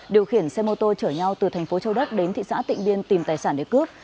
điều khiển xe mô tô chở nhau từ thành phố châu đốc đến thị xã tịnh biên tìm tài sản để cướp